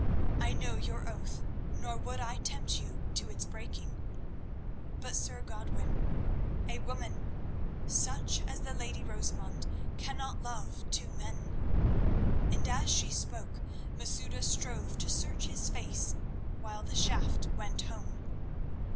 I know your oath, nor would I tempt you to its breaking. But, Sir Godwin, a woman such as the lady Rosamund cannot love two men," and as she spoke Masouda strove to search his face while the shaft went home.